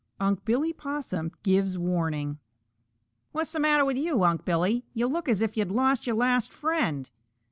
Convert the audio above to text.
XIX Unc' Billy Possum Gives Warning "What's the matter with you, Unc' Billy? You look as if you had lost your last friend."